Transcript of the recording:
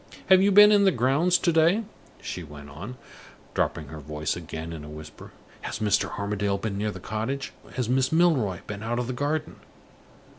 Have you been in the grounds to day?" she went on, dropping her voice again in a whisper. "Has Mr. Armadale been near the cottage? Has Miss Milroy been out of the garden?